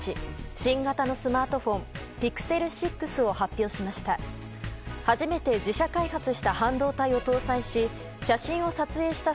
新型のスマートフォンＰｉｘｅｌ６を発表しました。